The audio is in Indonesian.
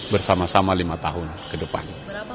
bersama sama lima tahun ke depan